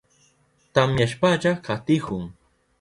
Tamyashpalla katihun.